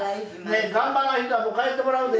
頑張んない人はもう帰ってもらうで。